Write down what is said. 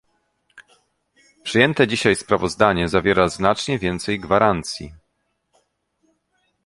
Przyjęte dzisiaj sprawozdanie zawiera znacznie więcej gwarancji